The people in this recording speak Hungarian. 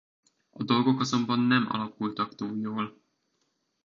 A dolgok azonban nem alakultak túl jól.